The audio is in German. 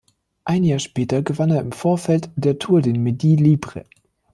Ein Jahr später gewann er im Vorfeld der Tour den Midi Libre.